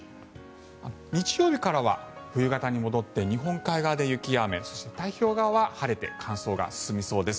日曜日からは冬型に戻って日本海側で雪や雨そして、太平洋側は晴れて乾燥が進みそうです。